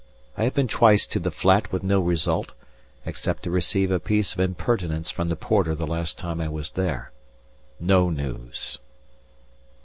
I have been twice to the flat with no result, except to receive a piece of impertinence from the porter the last time I was there. No news.